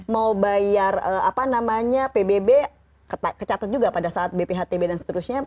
mau bayar pbb kecatet juga pada saat bphtb dan seterusnya